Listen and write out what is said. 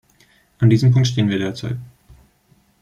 An diesem Punkt stehen wir derzeit.